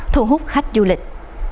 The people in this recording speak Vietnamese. thu hút khách du lịch